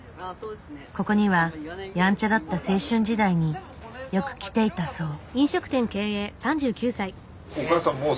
ここにはやんちゃだった青春時代によく来ていたそう。